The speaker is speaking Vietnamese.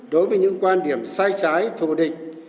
đối với những quan điểm sai trái thù địch